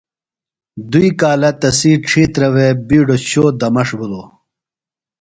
دُوئئ کالہ تسی ڇھیترہ وےۡ بیڈو شو دمݜ بھِلوۡ۔